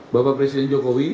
bapak presiden jokowi